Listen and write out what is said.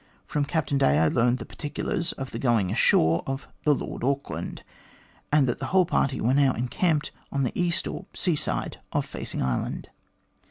From Captain Day I learnt the particulars of the going ashore of the Lord Auckland, and that the whole party were now encamped on the east, or sea side, of Facing Island.